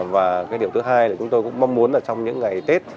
và điều thứ hai là chúng tôi cũng mong muốn trong những ngày tết